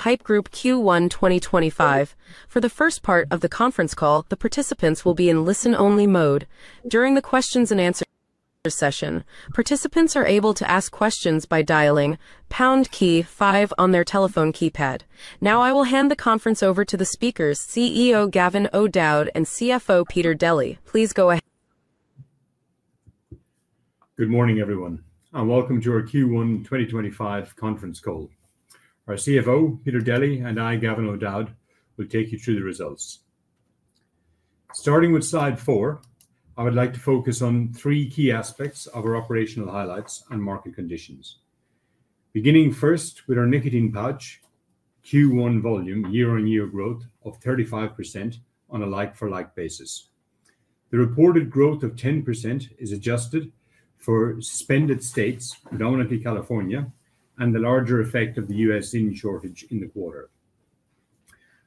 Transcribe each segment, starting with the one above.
Haypp Group Q1 2025. For the first part of the conference call, the participants will be in listen-only mode. During the Q&A session, participants are able to ask questions by dialing pound key five on their telephone keypad. Now, I will hand the conference over to the speakers, CEO Gavin O'Dowd and CFO Peter Deli. Please go ahead. Good morning, everyone, and welcome to our Q1 2025 conference call. Our CFO, Peter Deli, and I, Gavin O'Dowd, will take you through the results. Starting with slide 4, I would like to focus on three key aspects of our operational highlights and market conditions. Beginning first with our nicotine pouch Q1 volume, year-on-year growth of 35% on a like-for-like basis. The reported growth of 10% is adjusted for suspended states, predominantly California, and the larger effect of the U.S. indie shortage in the quarter.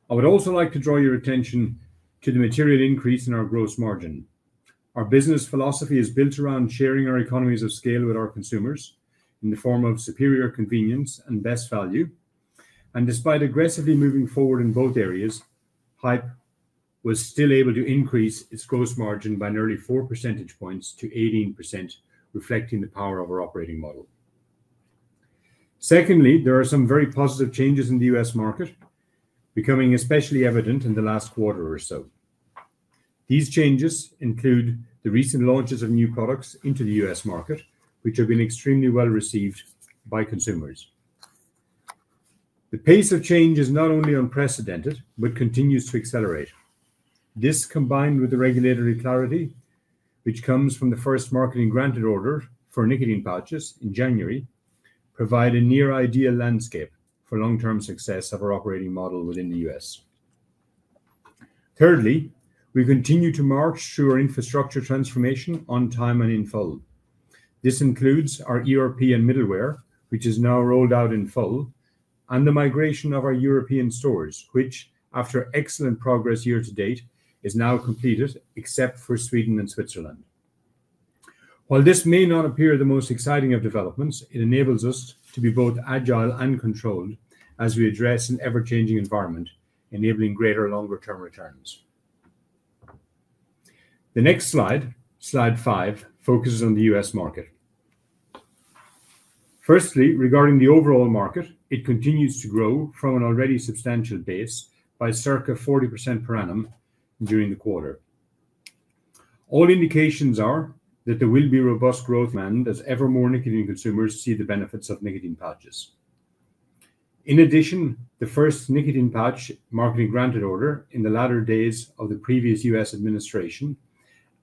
I would also like to draw your attention to the material increase in our gross margin. Our business philosophy is built around sharing our economies of scale with our consumers in the form of superior convenience and best value. Despite aggressively moving forward in both areas, Haypp was still able to increase its gross margin by nearly 4 percentage points to 18%, reflecting the power of our operating model. Secondly, there are some very positive changes in the U.S. market, becoming especially evident in the last quarter or so. These changes include the recent launches of new products into the U.S. market, which have been extremely well received by consumers. The pace of change is not only unprecedented but continues to accelerate. This, combined with the regulatory clarity which comes from the first marketing granted order for nicotine pouches in January, provides a near-ideal landscape for long-term success of our operating model within the U.S. Thirdly, we continue to march through our infrastructure transformation on time and in full. This includes our ERP and middleware, which is now rolled out in full, and the migration of our European stores, which, after excellent progress year to date, is now completed, except for Sweden and Switzerland. While this may not appear the most exciting of developments, it enables us to be both agile and controlled as we address an ever-changing environment, enabling greater longer-term returns. The next slide, slide 5, focuses on the U.S. market. Firstly, regarding the overall market, it continues to grow from an already substantial base by circa 40% per annum during the quarter. All indications are that there will be robust growth demand as ever more nicotine consumers see the benefits of nicotine pouches. In addition, the first nicotine pouch marketing granted order in the latter days of the previous U.S. Administration,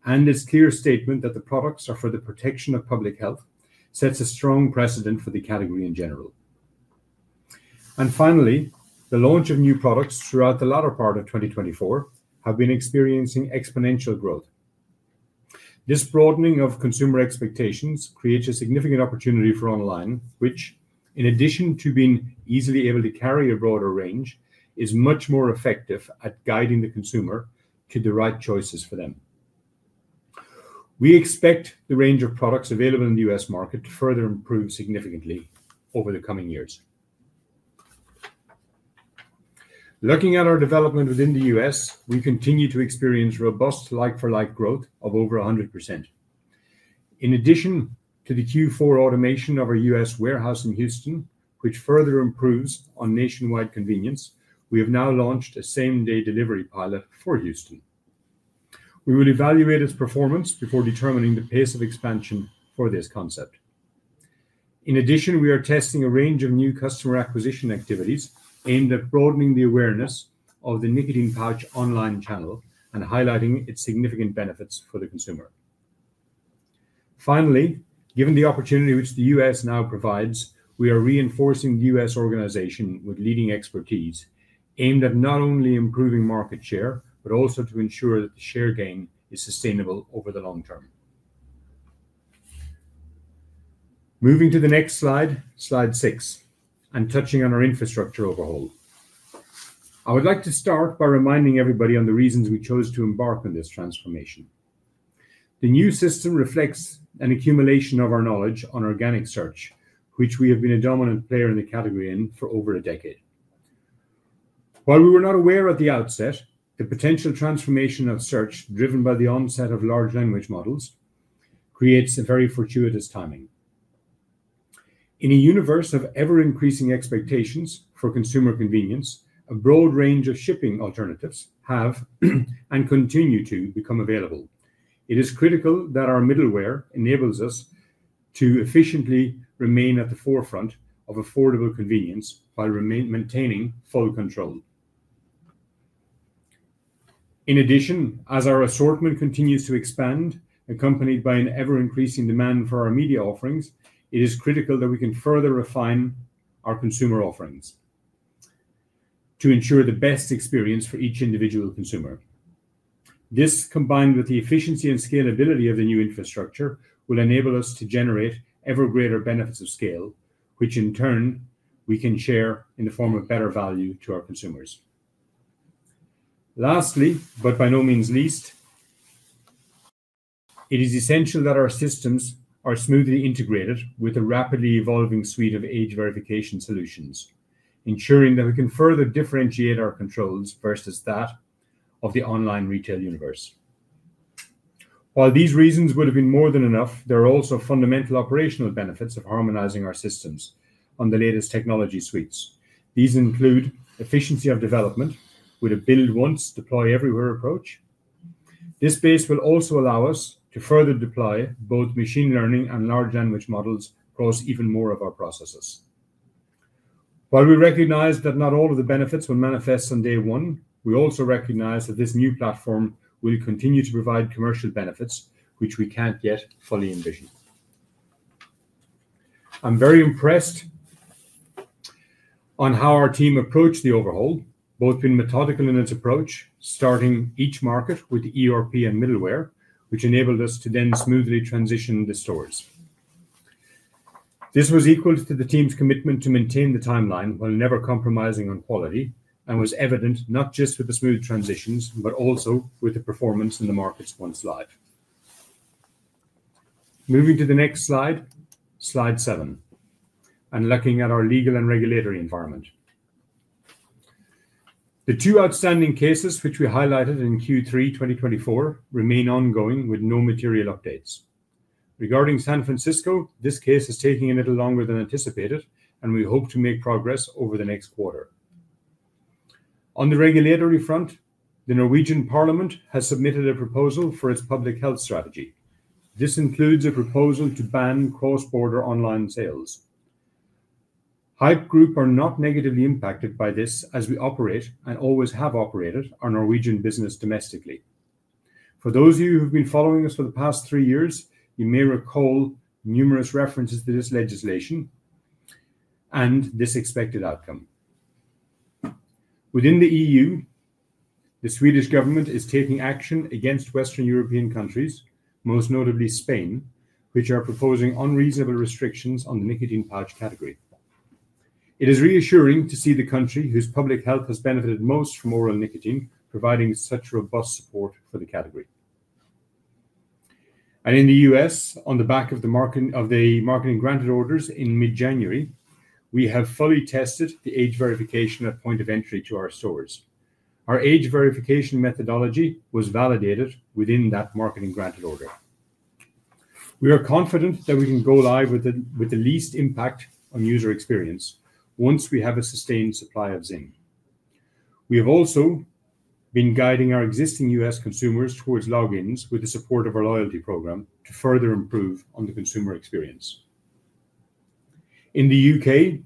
and its clear statement that the products are for the protection of public health, sets a strong precedent for the category in general. Finally, the launch of new products throughout the latter part of 2024 has been experiencing exponential growth. This broadening of consumer expectations creates a significant opportunity for online, which, in addition to being easily able to carry a broader range, is much more effective at guiding the consumer to the right choices for them. We expect the range of products available in the U.S. market to further improve significantly over the coming years. Looking at our development within the U.S., we continue to experience robust like-for-like growth of over 100%. In addition to the Q4 automation of our U.S. warehouse in Houston, which further improves on nationwide convenience, we have now launched a same-day delivery pilot for Houston. We will evaluate its performance before determining the pace of expansion for this concept. In addition, we are testing a range of new customer acquisition activities aimed at broadening the awareness of the nicotine pouch online channel and highlighting its significant benefits for the consumer. Finally, given the opportunity which the U.S. now provides, we are reinforcing the U.S. organization with leading expertise aimed at not only improving market share but also to ensure that the share gain is sustainable over the long term. Moving to the next slide, slide 6, and touching on our infrastructure overhaul, I would like to start by reminding everybody on the reasons we chose to embark on this transformation. The new system reflects an accumulation of our knowledge on organic search, which we have been a dominant player in the category in for over a decade. While we were not aware at the outset, the potential transformation of search driven by the onset of large language models creates a very fortuitous timing. In a universe of ever-increasing expectations for consumer convenience, a broad range of shipping alternatives have and continue to become available. It is critical that our middleware enables us to efficiently remain at the forefront of affordable convenience while maintaining full control. In addition, as our assortment continues to expand, accompanied by an ever-increasing demand for our media offerings, it is critical that we can further refine our consumer offerings to ensure the best experience for each individual consumer. This, combined with the efficiency and scalability of the new infrastructure, will enable us to generate ever greater benefits of scale, which in turn we can share in the form of better value to our consumers. Lastly, but by no means least, it is essential that our systems are smoothly integrated with a rapidly evolving suite of age verification solutions, ensuring that we can further differentiate our controls versus that of the online retail universe. While these reasons would have been more than enough, there are also fundamental operational benefits of harmonizing our systems on the latest technology suites. These include efficiency of development with a build-once-deploy-everywhere approach. This base will also allow us to further deploy both machine learning and large language models across even more of our processes. While we recognize that not all of the benefits will manifest on day one, we also recognize that this new platform will continue to provide commercial benefits which we can't yet fully envision. I'm very impressed on how our team approached the overhaul, both in methodical in its approach, starting each market with the ERP and middleware, which enabled us to then smoothly transition the stores. This was equal to the team's commitment to maintain the timeline while never compromising on quality, and was evident not just with the smooth transitions but also with the performance in the markets once live. Moving to the next slide, slide 7, and looking at our legal and regulatory environment. The two outstanding cases which we highlighted in Q3 2024 remain ongoing with no material updates. Regarding San Francisco, this case is taking a little longer than anticipated, and we hope to make progress over the next quarter. On the regulatory front, the Norwegian Parliament has submitted a proposal for its public health strategy. This includes a proposal to ban cross-border online sales. Haypp Group are not negatively impacted by this as we operate and always have operated our Norwegian business domestically. For those of you who have been following us for the past three years, you may recall numerous references to this legislation and this expected outcome. Within the EU, the Swedish government is taking action against Western European countries, most notably Spain, which are proposing unreasonable restrictions on the nicotine pouch category. It is reassuring to see the country whose public health has benefited most from oral nicotine providing such robust support for the category. In the U.S., on the back of the marketing granted orders in mid-January, we have fully tested the age verification at point of entry to our stores. Our age verification methodology was validated within that marketing granted order. We are confident that we can go live with the least impact on user experience once we have a sustained supply of Zyn. We have also been guiding our existing U.S. consumers towards logins with the support of our loyalty program to further improve on the consumer experience. In the U.K.,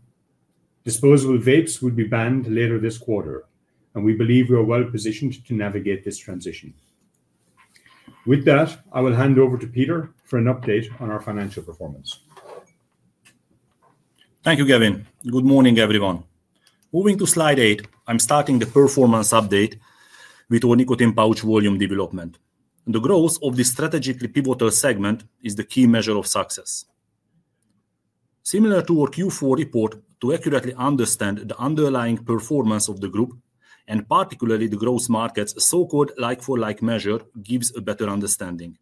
disposable vapes would be banned later this quarter, and we believe we are well positioned to navigate this transition. With that, I will hand over to Peter for an update on our financial performance. Thank you, Gavin. Good morning, everyone. Moving to slide 8, I'm starting the performance update with our nicotine pouch volume development. The growth of this strategically pivotal segment is the key measure of success. Similar to our Q4 report, to accurately understand the underlying performance of the group, and particularly the gross market's so-called like-for-like measure, gives a better understanding.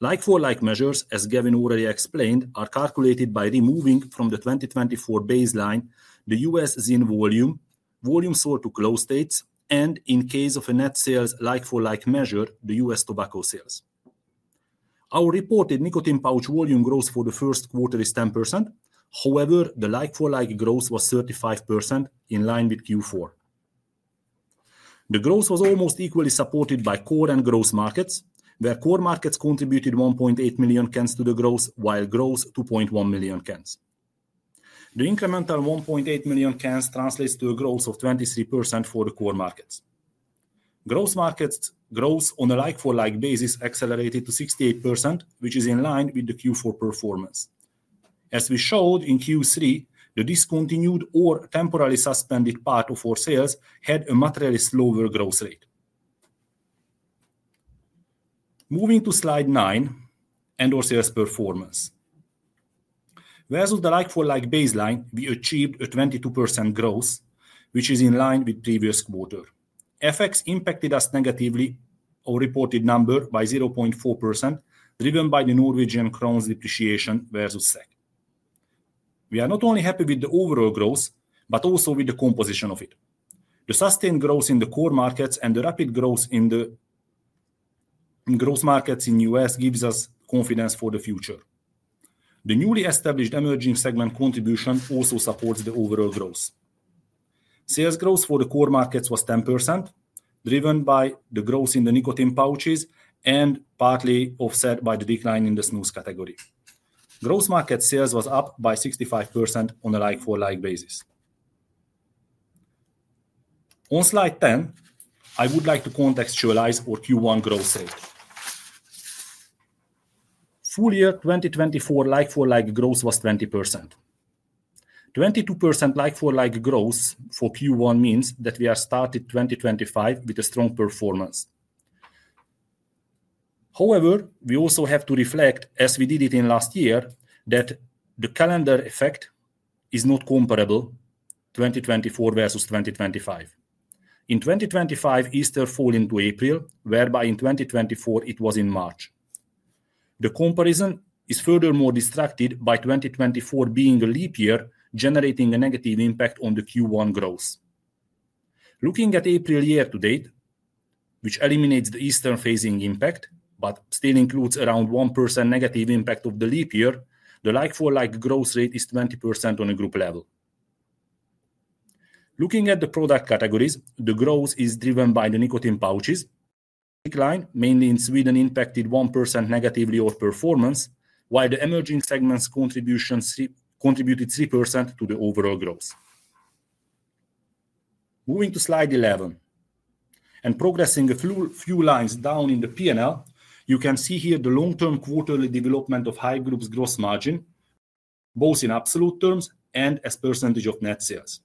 Like-for-like measures, as Gavin already explained, are calculated by removing from the 2024 baseline the U.S. Zyn volume, volume sold to closed states, and, in case of a net sales like-for-like measure, the U.S. tobacco sales. Our reported nicotine pouch volume growth for the first quarter is 10%. However, the like-for-like growth was 35%, in line with Q4. The growth was almost equally supported by core and gross markets, where core markets contributed 1.8 million cans to the growth, while gross 2.1 million cans. The incremental 1.8 million cans translates to a growth of 23% for the core markets. Gross markets' growth on a like-for-like basis accelerated to 68%, which is in line with the Q4 performance. As we showed in Q3, the discontinued or temporarily suspended part of our sales had a materially slower growth rate. Moving to slide 9, end-of-sales performance. Versus the like-for-like baseline, we achieved a 22% growth, which is in line with the previous quarter. FX impacted us negatively on reported number by 0.4%, driven by the Norwegian krone's depreciation versus SEK. We are not only happy with the overall growth, but also with the composition of it. The sustained growth in the core markets and the rapid growth in the gross markets in the U.S. gives us confidence for the future. The newly established emerging segment contribution also supports the overall growth. Sales growth for the core markets was 10%, driven by the growth in the nicotine pouches and partly offset by the decline in the snus category. Gross market sales was up by 65% on a like-for-like basis. On slide 10, I would like to contextualize our Q1 growth rate. Full year 2024 like-for-like growth was 20%. 22% like-for-like growth for Q1 means that we have started 2025 with a strong performance. However, we also have to reflect, as we did it in last year, that the calendar effect is not comparable to 2024 versus 2025. In 2025, Easter fall into April, whereby in 2024 it was in March. The comparison is furthermore distracted by 2024 being a leap year, generating a negative impact on the Q1 growth. Looking at April year to date, which eliminates the Easter phasing impact but still includes around 1% negative impact of the leap year, the like-for-like growth rate is 20% on a group level. Looking at the product categories, the growth is driven by the nicotine pouches. Decline, mainly in Sweden, impacted 1% negatively on performance, while the emerging segment's contribution contributed 3% to the overall growth. Moving to slide 11, and progressing a few lines down in the P&L, you can see here the long-term quarterly development of Haypp Group's gross margin, both in absolute terms and as percentage of net sales.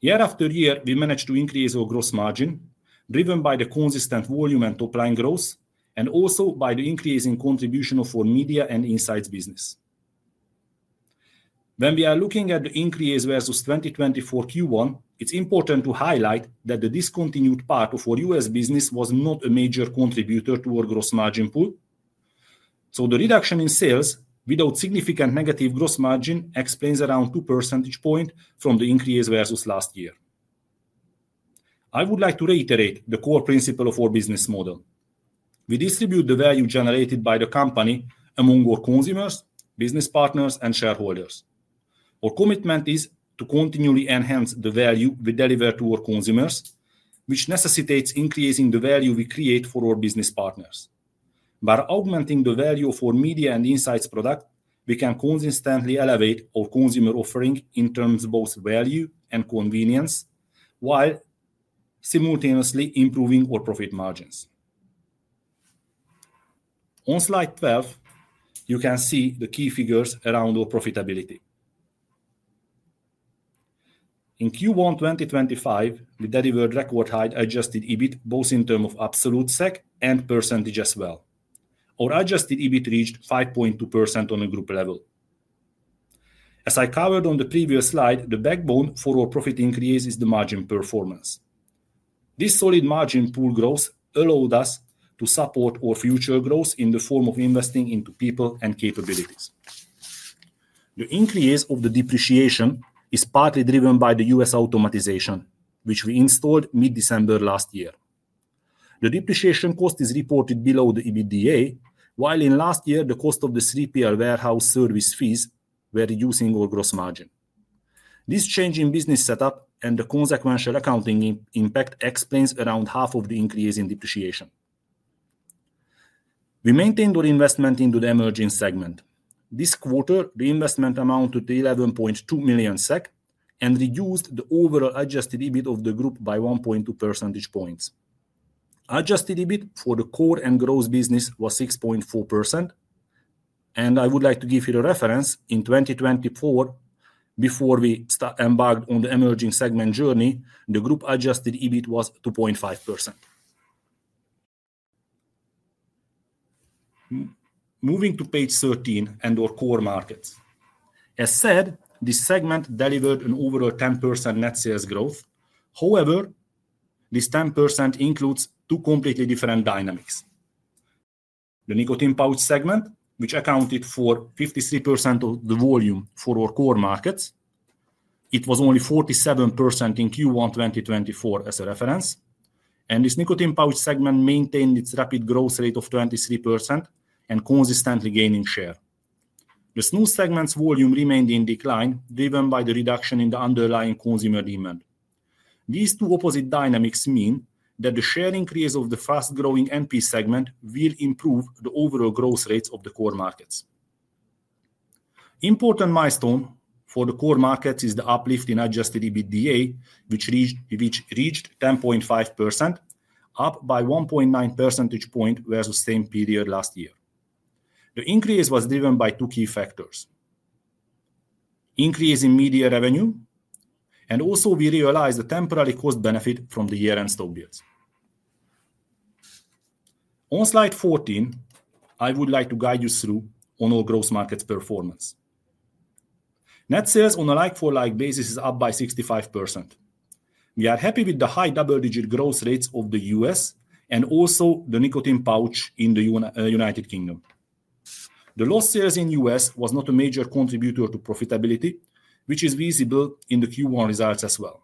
Year after year, we managed to increase our gross margin, driven by the consistent volume and top-line growth, and also by the increase in contribution of our Media & Insights business. When we are looking at the increase versus 2024 Q1, it's important to highlight that the discontinued part of our U.S. business was not a major contributor to our gross margin pool. The reduction in sales without significant negative gross margin explains around 2 percentage points from the increase versus last year. I would like to reiterate the core principle of our business model. We distribute the value generated by the company among our consumers, business partners, and shareholders. Our commitment is to continually enhance the value we deliver to our consumers, which necessitates increasing the value we create for our business partners. By augmenting the value of our Media & Insights product, we can consistently elevate our consumer offering in terms of both value and convenience, while simultaneously improving our profit margins. On slide 12, you can see the key figures around our profitability. In Q1 2025, we delivered record-high adjusted EBIT, both in terms of absolute SEK and percentage as well. Our adjusted EBIT reached 5.2% on a group level. As I covered on the previous slide, the backbone for our profit increase is the margin performance. This solid margin pool growth allowed us to support our future growth in the form of investing into people and capabilities. The increase of the depreciation is partly driven by the U.S. automatization, which we installed mid-December last year. The depreciation cost is reported below the EBITDA, while in last year, the cost of the three-pillar warehouse service fees were reducing our gross margin. This change in business setup and the consequential accounting impact explains around half of the increase in depreciation. We maintained our investment into the emerging segment. This quarter, the investment amounted to 11.2 million SEK and reduced the overall adjusted EBIT of the group by 1.2 percentage points. Adjusted EBIT for the core and gross business was 6.4%, and I would like to give you a reference: in 2024, before we embarked on the emerging segment journey, the group adjusted EBIT was 2.5%. Moving to page 13 and our core markets. As said, this segment delivered an overall 10% net sales growth. However, this 10% includes two completely different dynamics. The nicotine pouch segment, which accounted for 53% of the volume for our core markets, it was only 47% in Q1 2024 as a reference, and this nicotine pouch segment maintained its rapid growth rate of 23% and consistently gaining share. The snus segment's volume remained in decline, driven by the reduction in the underlying consumer demand. These two opposite dynamics mean that the share increase of the fast-growing NP segment will improve the overall growth rates of the core markets. An important milestone for the core markets is the uplift in adjusted EBITDA, which reached 10.5%, up by 1.9 percentage points versus the same period last year. The increase was driven by two key factors: increase in media revenue, and also we realized a temporary cost benefit from the year-end stock deals. On slide 14, I would like to guide you through our core markets performance. Net sales on a like-for-like basis is up by 65%. We are happy with the high double-digit growth rates of the U.S. and also the nicotine pouch in the United Kingdom. The lost sales in the U.S. was not a major contributor to profitability, which is visible in the Q1 results as well.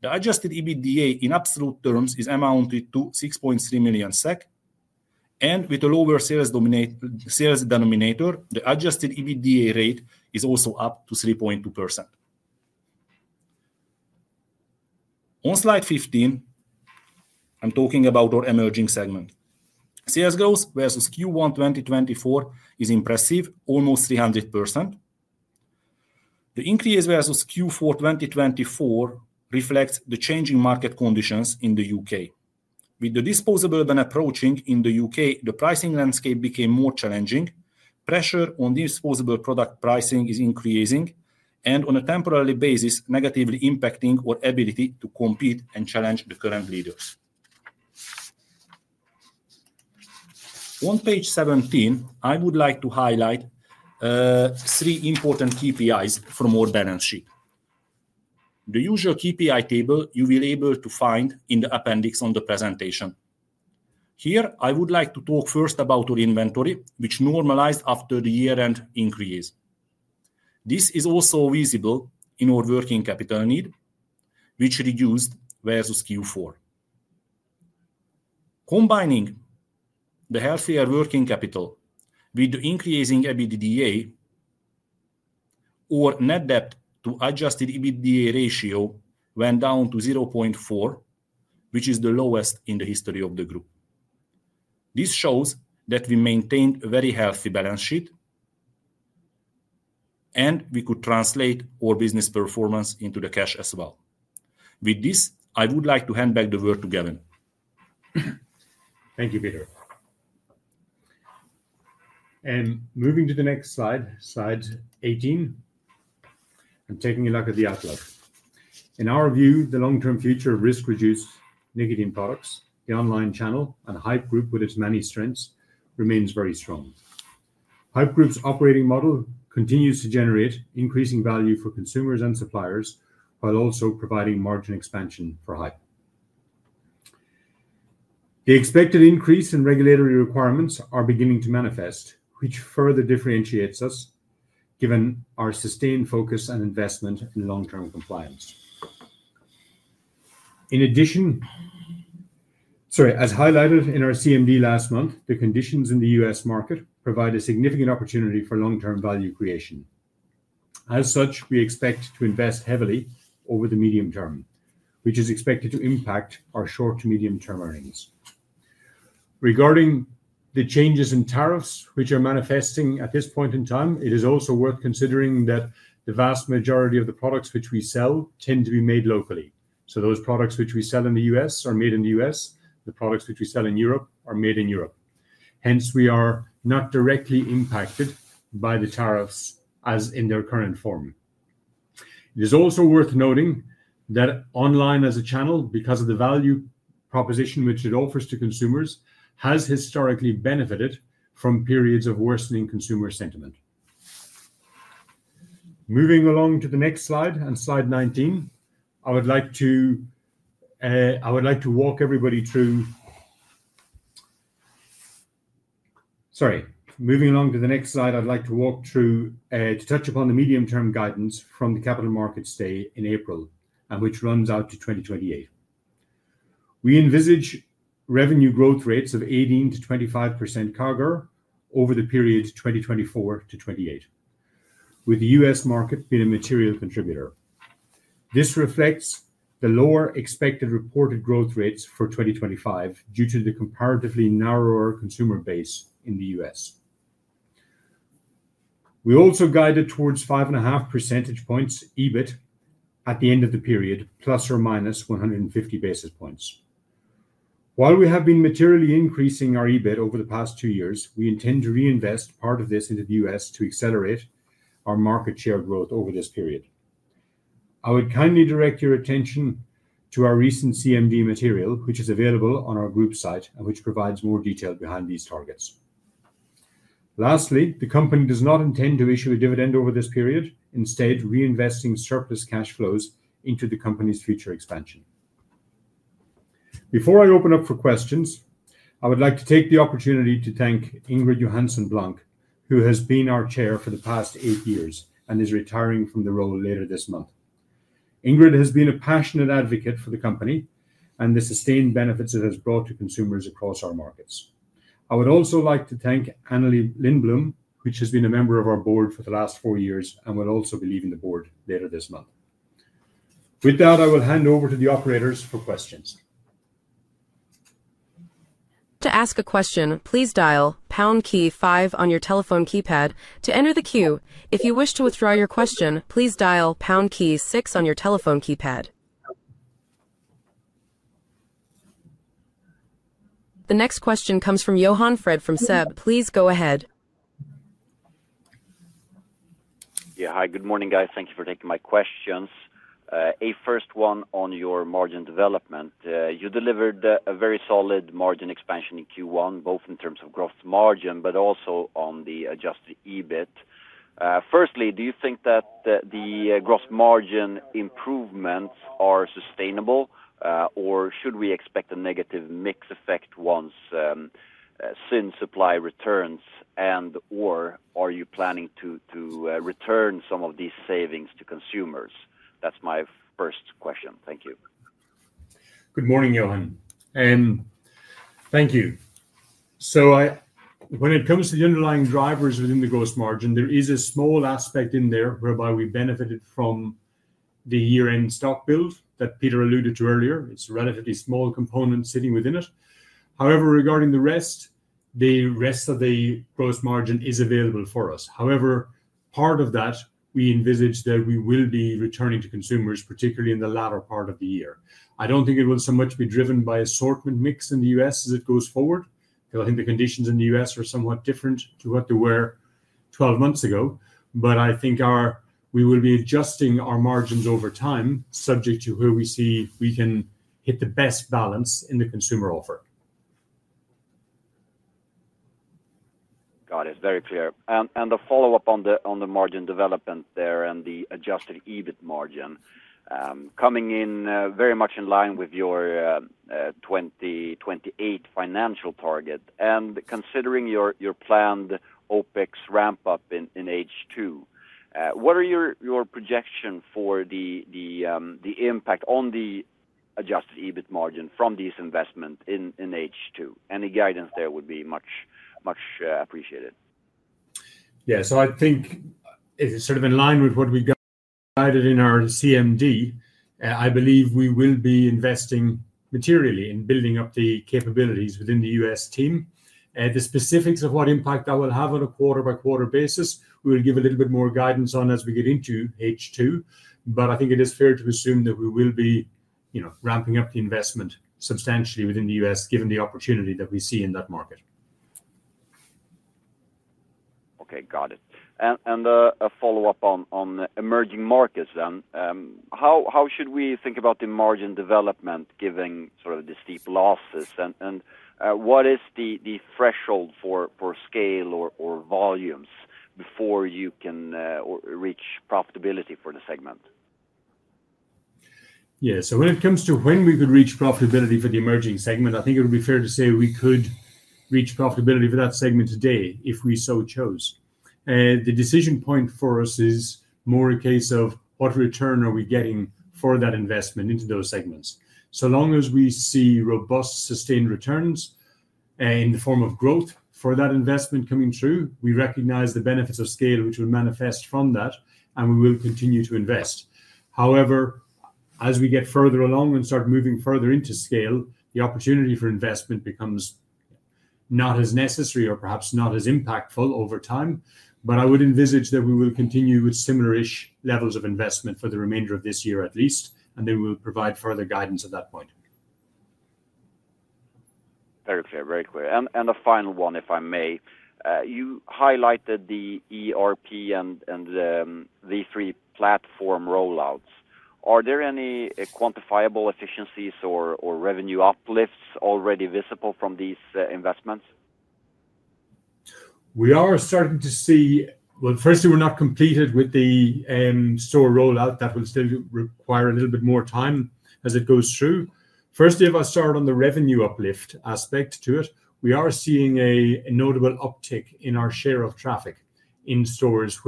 The adjusted EBITDA, in absolute terms, is amounted to 6.3 million SEK, and with a lower sales denominator, the adjusted EBITDA rate is also up to 3.2%. On slide 15, I'm talking about our emerging segment. Sales growth versus Q1 2024 is impressive, almost 300%. The increase versus Q4 2024 reflects the changing market conditions in the U.K. With the disposable ban approaching in the U.K., the pricing landscape became more challenging. Pressure on disposable product pricing is increasing, and on a temporary basis, negatively impacting our ability to compete and challenge the current leaders. On page 17, I would like to highlight three important KPIs from our balance sheet. The usual KPI table you will be able to find in the appendix on the presentation. Here, I would like to talk first about our inventory, which normalized after the year-end increase. This is also visible in our working capital need, which reduced versus Q4. Combining the healthier working capital with the increasing EBITDA, our net debt to adjusted EBITDA ratio went down to 0.4, which is the lowest in the history of the group. This shows that we maintained a very healthy balance sheet, and we could translate our business performance into the cash as well. With this, I would like to hand back the word to Gavin. Thank you, Peter. Moving to the next slide, slide 18, and taking a look at the outlook. In our view, the long-term future of risk-reduced nicotine products, the online channel, and Haypp Group, with its many strengths, remains very strong. Haypp Group's operating model continues to generate increasing value for consumers and suppliers, while also providing margin expansion for Haypp. The expected increase in regulatory requirements is beginning to manifest, which further differentiates us, given our sustained focus and investment in long-term compliance. In addition, sorry, as highlighted in our CMD last month, the conditions in the U.S. market provide a significant opportunity for long-term value creation. As such, we expect to invest heavily over the medium term, which is expected to impact our short to medium-term earnings. Regarding the changes in tariffs, which are manifesting at this point in time, it is also worth considering that the vast majority of the products which we sell tend to be made locally. So those products which we sell in the U.S. are made in the U.S.; the products which we sell in Europe are made in Europe. Hence, we are not directly impacted by the tariffs as in their current form. It is also worth noting that online as a channel, because of the value proposition which it offers to consumers, has historically benefited from periods of worsening consumer sentiment. Moving along to the next slide, slide 19, I would like to walk everybody through, sorry, moving along to the next slide, I'd like to walk through, to touch upon the medium-term guidance from the capital markets day in April, which runs out to 2028. We envisage revenue growth rates of 18%-25% CAGR over the period 2024 to 2028, with the U.S. market being a material contributor. This reflects the lower expected reported growth rates for 2025 due to the comparatively narrower consumer base in the U.S. We also guided towards 5.5 percentage points EBIT at the end of the period, plus or minus 150 basis points. While we have been materially increasing our EBIT over the past two years, we intend to reinvest part of this into the U.S. to accelerate our market share growth over this period. I would kindly direct your attention to our recent CMD material, which is available on our group site and which provides more detail behind these targets. Lastly, the company does not intend to issue a dividend over this period, instead reinvesting surplus cash flows into the company's future expansion. Before I open up for questions, I would like to take the opportunity to thank Ingrid Johanson Blanc, who has been our chair for the past eight years and is retiring from the role later this month. Ingrid has been a passionate advocate for the company and the sustained benefits it has brought to consumers across our markets. I would also like to thank Annelie Lindblum, who has been a member of our board for the last four years and will also be leaving the board later this month. With that, I will hand over to the operators for questions. To ask a question, please dial pound key five on your telephone keypad to enter the queue. If you wish to withdraw your question, please dial pound key six on your telephone keypad. The next question comes from Johan Fred from SEB. Please go ahead. Yeah, hi, good morning, guys. Thank you for taking my questions. A first one on your margin development. You delivered a very solid margin expansion in Q1, both in terms of gross margin but also on the adjusted EBIT. Firstly, do you think that the gross margin improvements are sustainable, or should we expect a negative mix effect once Zyn supply returns, and/or are you planning to return some of these savings to consumers? That's my first question. Thank you. Good morning, Johan. Thank you. When it comes to the underlying drivers within the gross margin, there is a small aspect in there whereby we benefited from the year-end stock build that Peter alluded to earlier. It's a relatively small component sitting within it. However, regarding the rest, the rest of the gross margin is available for us. However, part of that, we envisage that we will be returning to consumers, particularly in the latter part of the year. I don't think it will so much be driven by assortment mix in the U.S. as it goes forward, because I think the conditions in the U.S. are somewhat different to what they were 12 months ago. I think we will be adjusting our margins over time, subject to where we see we can hit the best balance in the consumer offer. Got it. Very clear. The follow-up on the margin development there and the adjusted EBIT margin, coming in very much in line with your 2028 financial target, and considering your planned OpEx ramp-up in H2, what are your projections for the impact on the adjusted EBIT margin from this investment in H2? Any guidance there would be much appreciated. Yeah, so I think it's sort of in line with what we guided in our CMD. I believe we will be investing materially in building up the capabilities within the U.S. team. The specifics of what impact that will have on a quarter-by-quarter basis, we'll give a little bit more guidance on as we get into H2. I think it is fair to assume that we will be ramping up the investment substantially within the U.S., given the opportunity that we see in that market. Okay, got it. A follow-up on emerging markets then. How should we think about the margin development, given sort of the steep losses? What is the threshold for scale or volumes before you can reach profitability for the segment? Yeah, so when it comes to when we could reach profitability for the emerging segment, I think it would be fair to say we could reach profitability for that segment today if we so chose. The decision point for us is more a case of what return are we getting for that investment into those segments. So long as we see robust, sustained returns in the form of growth for that investment coming through, we recognize the benefits of scale, which will manifest from that, and we will continue to invest. However, as we get further along and start moving further into scale, the opportunity for investment becomes not as necessary or perhaps not as impactful over time. I would envisage that we will continue with similar-ish levels of investment for the remainder of this year at least, and then we'll provide further guidance at that point. Very clear. A final one, if I may. You highlighted the ERP and the V3 platform rollouts. Are there any quantifiable efficiencies or revenue uplifts already visible from these investments? We are starting to see, firstly, we're not completed with the store rollout. That will still require a little bit more time as it goes through. Firstly, if I start on the revenue uplift aspect to it, we are seeing a notable uptick in our share of traffic in stores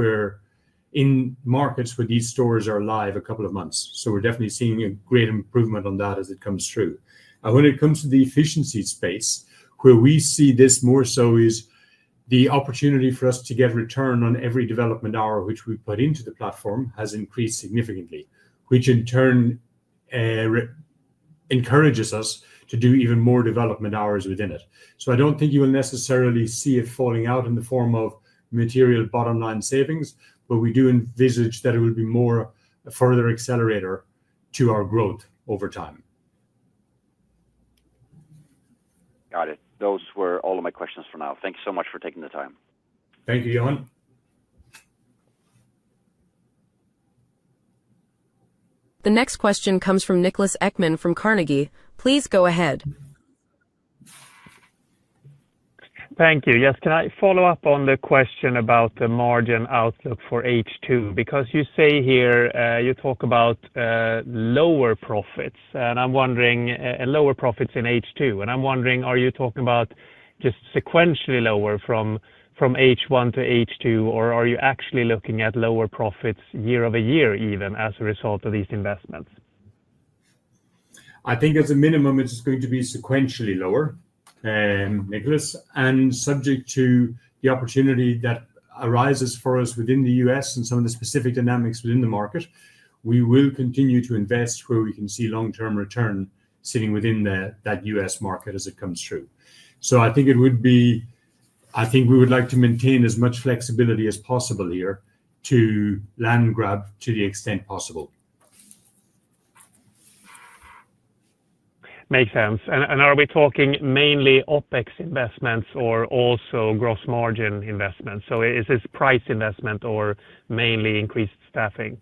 in markets where these stores are live a couple of months. We are definitely seeing a great improvement on that as it comes through. When it comes to the efficiency space, where we see this more so is the opportunity for us to get return on every development hour which we put into the platform has increased significantly, which in turn encourages us to do even more development hours within it. I don't think you will necessarily see it falling out in the form of material bottom-line savings, but we do envisage that it will be more a further accelerator to our growth over time. Got it. Those were all of my questions for now. Thank you so much for taking the time. Thank you, Johan. The next question comes from Niklas Ekman from Carnegie. Please go ahead. Thank you. Yes, can I follow up on the question about the margin outlook for H2? Because you say here you talk about lower profits, and I'm wondering, lower profits in H2. I'm wondering, are you talking about just sequentially lower from H1 to H2, or are you actually looking at lower profits year over year even as a result of these investments? I think at the minimum, it's going to be sequentially lower, Niklas. Subject to the opportunity that arises for us within the U.S. and some of the specific dynamics within the market, we will continue to invest where we can see long-term return sitting within that U.S. market as it comes through. I think we would like to maintain as much flexibility as possible here to land grab to the extent possible. Makes sense. Are we talking mainly OpEx investments or also gross margin investments? Is this price investment or mainly increased staffing?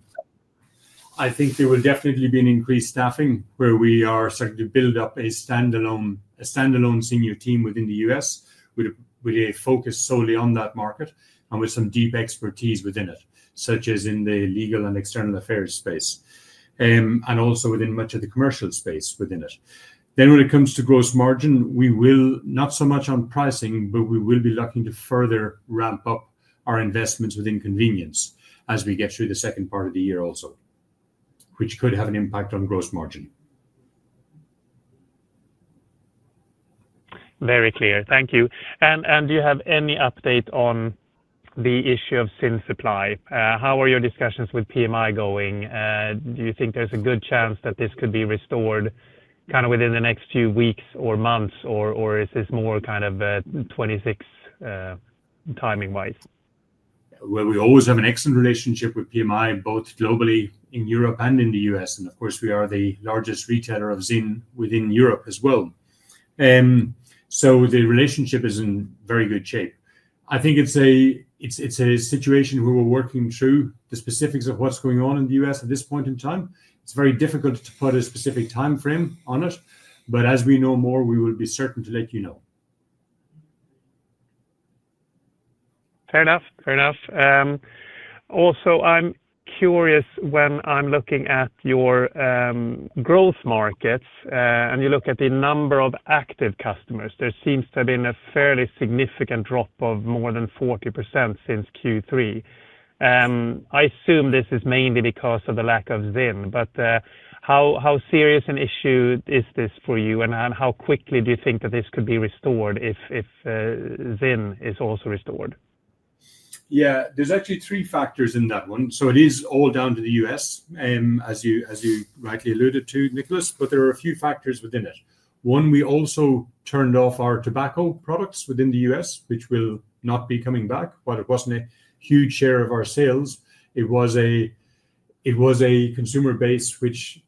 I think there will definitely be an increased staffing where we are starting to build up a standalone senior team within the U.S. with a focus solely on that market and with some deep expertise within it, such as in the legal and external affairs space and also within much of the commercial space within it. When it comes to gross margin, we will not so much on pricing, but we will be looking to further ramp up our investments within convenience as we get through the second part of the year also, which could have an impact on gross margin. Very clear. Thank you. Do you have any update on the issue of Zyn supply? How are your discussions with PMI going? Do you think there's a good chance that this could be restored kind of within the next few weeks or months, or is this more kind of 2026 timing-wise? We always have an excellent relationship with PMI, both globally in Europe and in the U.S. Of course, we are the largest retailer of Zyn within Europe as well. The relationship is in very good shape. I think it's a situation we are working through, the specifics of what's going on in the U.S. at this point in time. It's very difficult to put a specific time frame on it. As we know more, we will be certain to let you know. Fair enough. Fair enough. Also, I'm curious when I'm looking at your growth markets and you look at the number of active customers, there seems to have been a fairly significant drop of more than 40% since Q3. I assume this is mainly because of the lack of Zyn. But how serious an issue is this for you, and how quickly do you think that this could be restored if Zyn is also restored? Yeah, there's actually three factors in that one. It is all down to the U.S., as you rightly alluded to, Nicholas, but there are a few factors within it. One, we also turned off our tobacco products within the U.S., which will not be coming back. While it wasn't a huge share of our sales, it was a consumer base which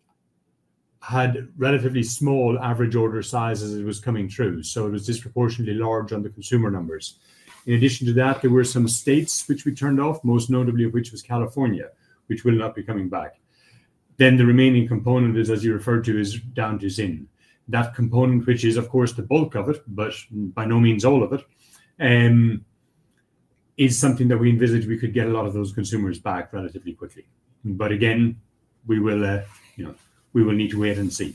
had relatively small average order sizes as it was coming through. It was disproportionately large on the consumer numbers. In addition to that, there were some states which we turned off, most notably of which was California, which will not be coming back. The remaining component is, as you referred to, is down to Zyn. That component, which is of course the bulk of it, but by no means all of it, is something that we envisaged we could get a lot of those consumers back relatively quickly. Again, we will need to wait and see.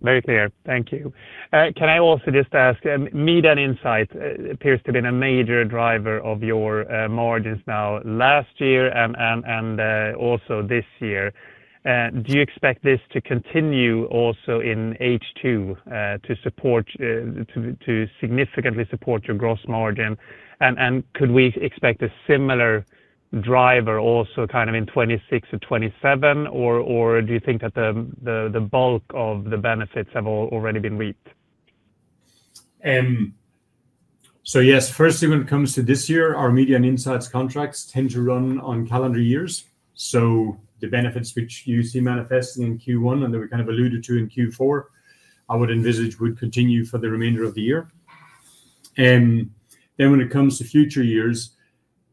Very clear. Thank you. Can I also just ask, Media & Insights business appears to have been a major driver of your margins now last year and also this year. Do you expect this to continue also in H2 to significantly support your gross margin? Could we expect a similar driver also kind of in 2026 or 2027, or do you think that the bulk of the benefits have already been reaped? Yes, firstly, when it comes to this year, our Media & Insights contracts tend to run on calendar years. The benefits which you see manifesting in Q1 and that we kind of alluded to in Q4, I would envisage would continue for the remainder of the year. When it comes to future years,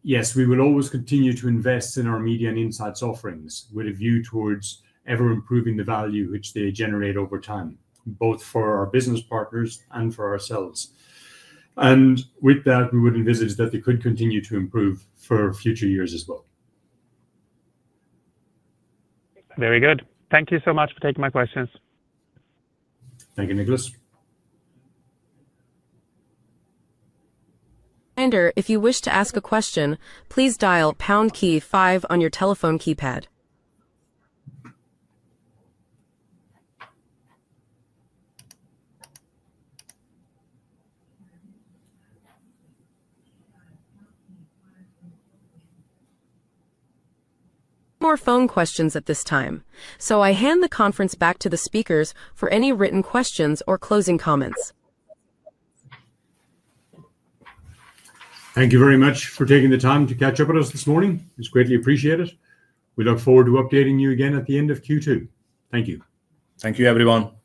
yes, we will always continue to invest in our Media & Insights offerings with a view towards ever improving the value which they generate over time, both for our business partners and for ourselves. With that, we would envisage that they could continue to improve for future years as well. Very good. Thank you so much for taking my questions. Thank you, Niklas. Reminder, if you wish to ask a question, please dial pound key five on your telephone keypad. No more phone questions at this time. I hand the conference back to the speakers for any written questions or closing comments. Thank you very much for taking the time to catch up with us this morning. It's greatly appreciated. We look forward to updating you again at the end of Q2. Thank you. Thank you, everyone.